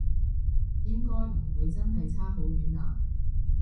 應該唔會真係差好遠啊？